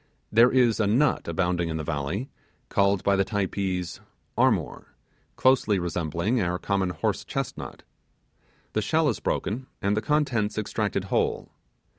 There is a nut abounding in the valley, called by the Typees 'armor', closely resembling our common horse chestnut. The shell is broken, and the contents extracted whole.